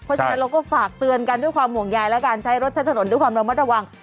เพราะฉะนั้นเราก็ฝากเตือนกันด้วยความห่วงยายและการใช้รถใช้ถนนด้วยความระมัดระวัง